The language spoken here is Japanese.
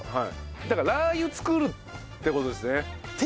だからラー油作るって事ですね。